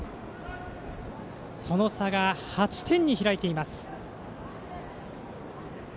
その差が８点に開いています。